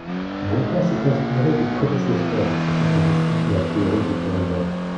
Bompa s’est inspiré de prédécesseurs dans sa contribution à la théorie des périodes.